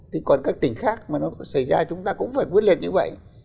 thì còn các tỉnh khác mà nó xảy ra chúng ta cũng phải quyết liệt như vậy